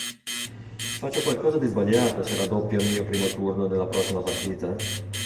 Faccio qualcosa di sbagliato se raddoppio al mio primo turno della prossima partita?